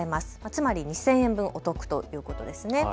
つまり２０００分お得ということですね。